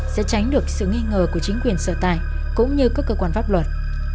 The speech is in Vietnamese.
sẽ tránh được sự nghi ngờ của chính quyền sở tài cũng như các cơ quan pháp luật